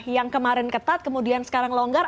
yang kemarin ketat kemudian sekarang longgar